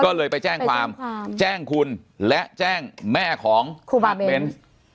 ก็เลยไปแจ้งความแจ้งคุณและแจ้งแม่ของครูบาเบนส์